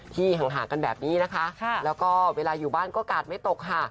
เท่าเท่านะคะแล้วก็เวลาอยู่บ้านก็กาดไม่ตกค่ะ